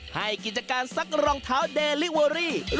ให้กิจการซักรองเท้าเดลิเวอรี่